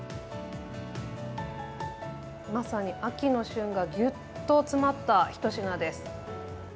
まさに秋の旬がぎゅっと詰まったひと品です。